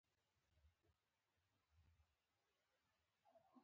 دا اهدافو ته د رسیدو په موخه کار کوي.